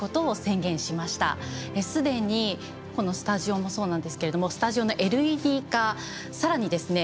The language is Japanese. すでにこのスタジオもそうなんですけれどもスタジオのＬＥＤ化さらにですね